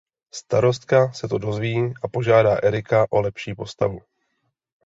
Starostka se to dozví a požádá Erica o lepší postavu.